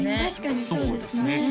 確かにそうですね